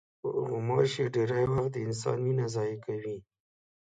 غوماشې ډېری وخت د انسان وینه ضایع کوي.